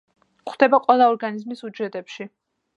გვხვდება ყველა ორგანიზმის უჯრედებში.